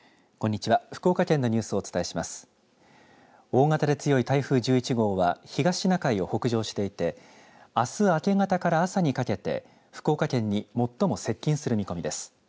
大型で強い台風１１号は東シナ海を北上していてあす明け方から朝にかけて福岡県に最も接近する見込みです。